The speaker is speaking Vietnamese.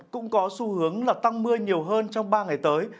cũng có xu hướng là tăng mưa nhiều hơn trong ba ngày tới